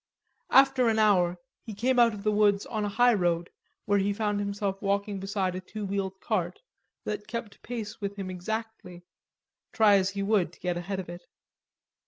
After an hour he came out of the woods on a highroad, where he found himself walking beside a two wheeled cart, that kept pace with him exactly, try as he would to get ahead of it.